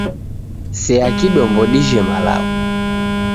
Sea kidombo dijhe malagho.